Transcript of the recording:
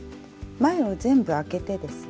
前を全部開けてですね